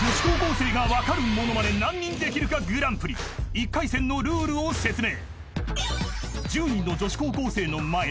［１回戦のルールを説明］